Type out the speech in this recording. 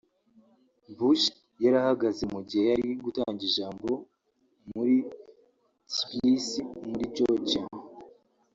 Bush yari ahagaze mu gihe yari ari gutanga ijambo muri Tbilisi muri Georgia